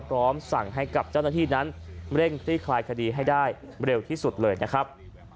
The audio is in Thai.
พร้อมสั่งให้กับเจ้าหน้าที่นั้นเร่งคลี่คลายคดีให้ได้เร็วที่สุดเลยนะครับ